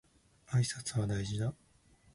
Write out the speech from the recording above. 挨拶は大事だ